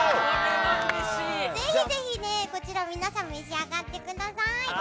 ぜひぜひ皆さん、召し上がってください。